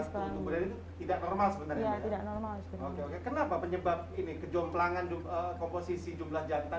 kami tidak normal sebenarnya tidak normal kenapa penyebab ini kejomplangan komposisi jumlah jantan